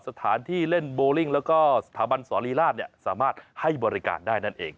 สถานที่เล่นโบลิ่งแล้วก็สถาบันสอรีราชสามารถให้บริการได้นั่นเอง